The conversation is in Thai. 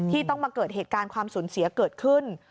ต้องมาเกิดเหตุการณ์ความสูญเสียเกิดขึ้น